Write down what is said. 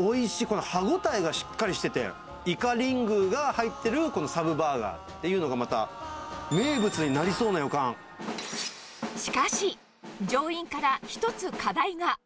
この歯応えがしっかりしてて、イカリングが入ってるサブバーガーっていうのが、また、名物になしかし、乗員から１つ課題が。